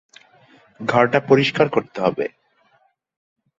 ঘরটা পরিষ্কার করতে হবে।